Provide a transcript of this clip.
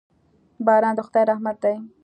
باران د خداي رحمت دي.